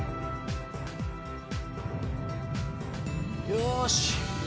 よし。